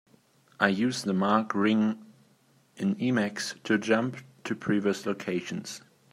I use the mark ring in Emacs to jump to previous locations.